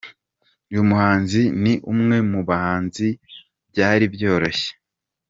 Uyu muhanzi ni umwe mu bahanzi byari byoroshye.